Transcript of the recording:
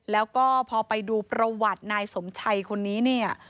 แล้วก็พอไปดูประวัตินายสมชัยคนนี้เนี่ย